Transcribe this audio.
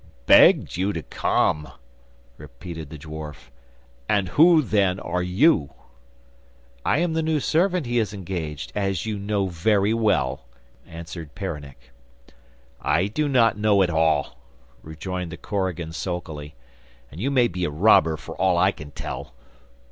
'Begged you to come!' repeated the dwarf, 'and who, then, are you?' 'I am the new servant he has engaged, as you know very well,' answered Peronnik. 'I do not know at all,' rejoined the korigan sulkily, 'and you may be a robber for all I can tell.